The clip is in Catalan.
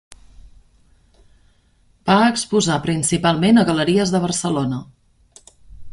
Va exposar principalment a galeries de Barcelona.